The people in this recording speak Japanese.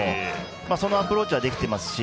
そのアプローチはできているし